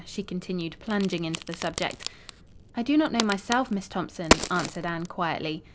she continued, plunging into the subject. "I do not know myself, Miss Thompson," answered Anne quietly.